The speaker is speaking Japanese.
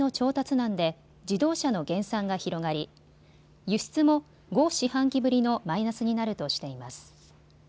難で自動車の減産が広がり輸出も５四半期ぶりのマイナスになるとしています。